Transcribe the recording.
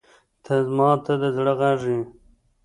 • ته زما د زړه غږ یې.